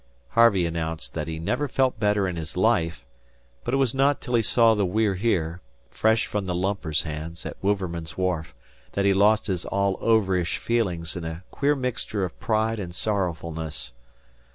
Harvey announced that he never felt better in his life; but it was not till he saw the We're Here, fresh from the lumper's hands, at Wouverman's wharf, that he lost his all overish feelings in a queer mixture of pride and sorrowfulness.